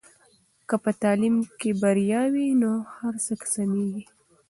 که په تعلیم کې بریا وي نو هر څه سمېږي.